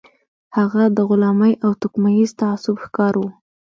هغه د غلامۍ او توکميز تعصب ښکار و